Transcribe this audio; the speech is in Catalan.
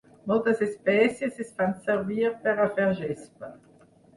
Moltes espècies es fan servir per a fer gespa.